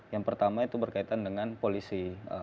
yang pertama itu berkaitan dengan polisi